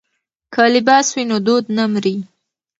که لباس وي نو دود نه مري.